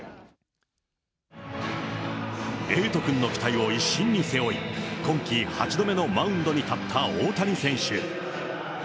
えいとくんの期待を一身に背負い、今季８度目のマウンドに立った大谷選手。